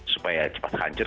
supaya cepat hancur